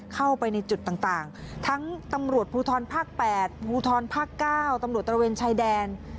เข้าไปในจุดต่างทั้งตำรวจภูทรภาค๘ภูทรภาค๙ตำรวจตระเวนชายแดน